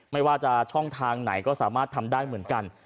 ไม่ว่าจะช่องทางไหนก็สามารถทำได้เหมือนกัน